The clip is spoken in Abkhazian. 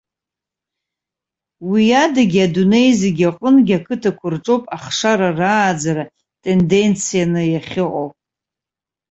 Уиадагьы, адунеи зегьы аҟынгьы ақыҭақәа рҿоуп ахшара рааӡара тенденцианы иахьыҟоу.